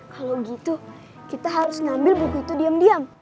kalau gitu kita harus ngambil buku itu diam diam